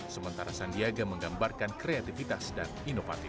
sementara sandiaga menggambarkan kreativitas dan inovatif